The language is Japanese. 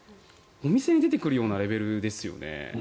お店に出てくるようなレベルですよね。